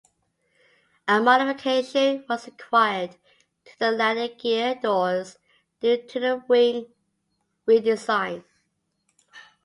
A modification was required to the landing gear doors due to the wing redesign.